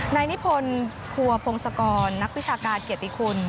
นายนิพนธ์ครัวพงศกรนักวิชาการเกียรติคุณ